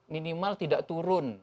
minimal tidak turun